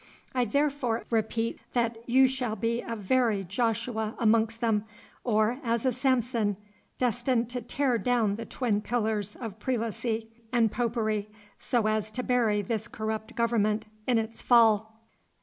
I therefore repeat that you shall be as a very Joshua amongst them, or as a Samson, destined to tear down the twin pillars of Prelacy and Popery, so as to bury this corrupt government in its fall.